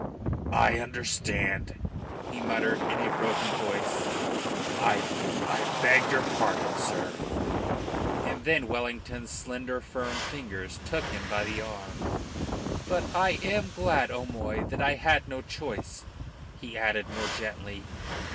"I understand," he muttered in a broken voice, "I I beg your pardon, sir." And then Wellington's slender, firm fingers took him by the arm. "But I am glad, O'Moy, that I had no choice," he added more gently.